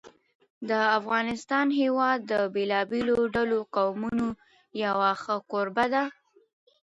د افغانستان هېواد د بېلابېلو ډولو قومونو یو ښه کوربه دی.